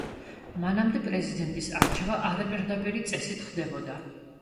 მანამდე პრეზიდენტის არჩევა არაპირდაპირი წესით ხდებოდა.